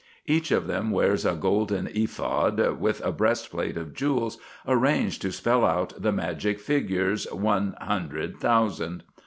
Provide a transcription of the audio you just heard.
Each of them wears a golden ephod, with a breastplate of jewels arranged to spell out the magic figures, One Hundred Thousand.